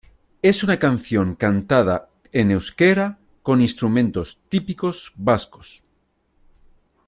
Es una canción cantada en euskera con instrumentos típicos vascos.